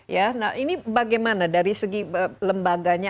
ya nah ini bagaimana dari segi lembaganya